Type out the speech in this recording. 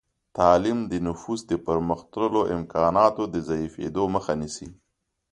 تعلیم د نفوس د پرمختللو امکاناتو د ضعیفېدو مخه نیسي.